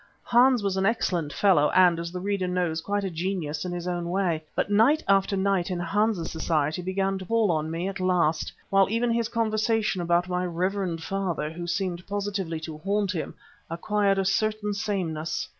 Hans was an excellent fellow, and, as the reader knows, quite a genius in his own way, but night after night in Hans's society began to pall on me at last, while even his conversation about my "reverend father," who seemed positively to haunt him, acquired a certain sameness.